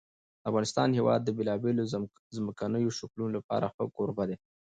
د افغانستان هېواد د بېلابېلو ځمکنیو شکلونو لپاره ښه کوربه دی.